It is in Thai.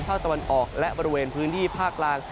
ภาคตะวันออกและบริเวณพื้นที่ภาคกลาง